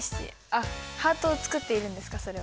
あっハートを作っているんですかそれは。